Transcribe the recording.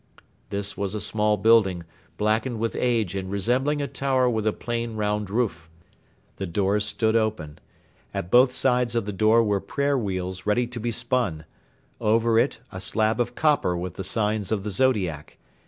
This was a small building, blackened with age and resembling a tower with a plain round roof. The doors stood open. At both sides of the door were prayer wheels ready to be spun; over it a slab of copper with the signs of the zodiac.